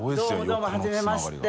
どうもはじめまして。